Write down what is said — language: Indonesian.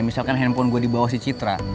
misalkan handphone gue di bawah si citra